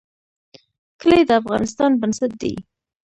کلي د افغانستان بنسټ دی